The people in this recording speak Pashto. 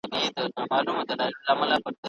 لرې